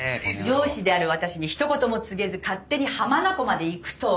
上司である私にひと言も告げず勝手に浜名湖まで行くとは。